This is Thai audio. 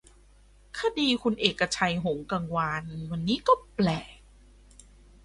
คดีคุณเอกชัย หงส์กังวาน วันนี้ ก็แปลก